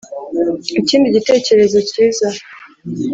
ikindi gitekerezo kiza